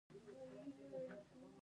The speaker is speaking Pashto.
دښتې د نجونو د پرمختګ فرصتونه دي.